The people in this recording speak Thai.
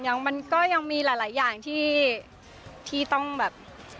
มันก็ยังมีหลายอย่างที่ต้องแบบ